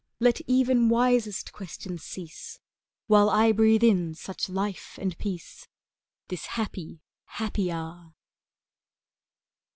Let even wisest questions cease While I breathe in such life and peace This happy, happy hour.